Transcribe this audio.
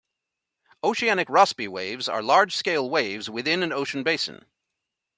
Oceanic Rossby waves are large-scale waves within an ocean basin.